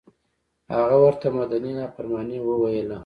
هغه ورته مدني نافرماني وویله.